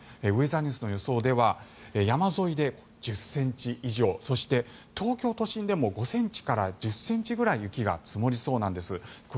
ウェザーニュースの予想では山沿いで１０ｃｍ以上そして、東京都心でも５ｃｍから１０ｃｍぐらい雪が積もりそうなんです。